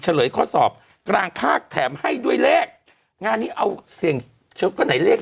เลข้อสอบกลางภาคแถมให้ด้วยเลขงานนี้เอาเสี่ยงก็ไหนเลข